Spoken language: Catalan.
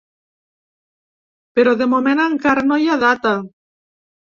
Però de moment encara no hi ha data.